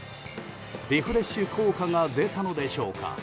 リフレッシュ効果が出たのでしょうか？